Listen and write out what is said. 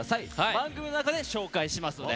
番組の中で紹介しますので。